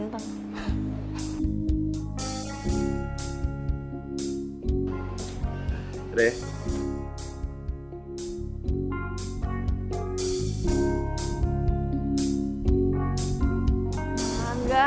lu tuh cokleng